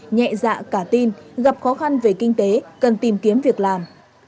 nhẹ dạ cả tin gặp khó khăn về kinh tế cần tìm kiếm việc làm